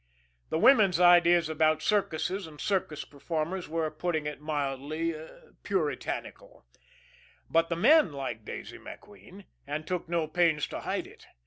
The women's ideas about circuses and circus performers were, putting it mildly, puritanical; but the men liked Daisy MacQueen and took no pains to hide it.